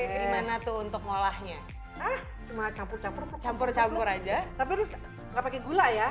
gimana tuh untuk molahnya campur campur campur campur aja tapi enggak pakai gula ya